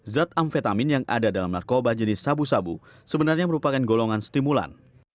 zat amfetamin yang ada dalam narkoba jenis sabu sabu sebenarnya merupakan golongan stimulan